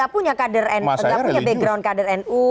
mas andi enggak punya background kader nu